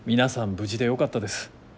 無事でよかったです。